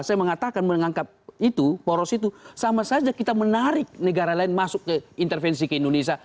saya mengatakan menganggap itu poros itu sama saja kita menarik negara lain masuk ke intervensi ke indonesia